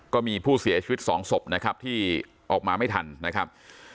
ก็มีผู้เสียชีวิตสองศพนะครับที่ออกมาไม่ทันนะครับ